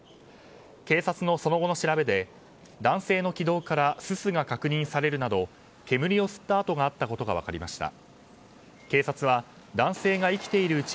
警察のその後の調べで男性の気道からすすが確認されるなど煙を吸った痕があったことが分かりました。